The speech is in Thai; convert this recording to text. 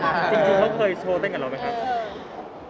จริงเขาเคยโชว์เต้นกับเราไหมครับ